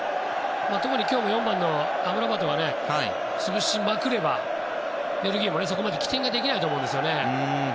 特に今日の４番のアムラバトは潰しまくればベルギーもそこまで起点できないと思うんですよね。